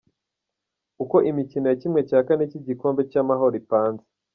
Uko imikino ya ¼ cy’igikombe cy’Amahoro ipanze:.